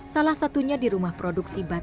salah satunya di rumah produk